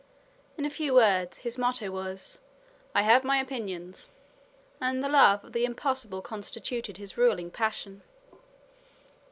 In a few words, his motto was "I have my opinions," and the love of the impossible constituted his ruling passion.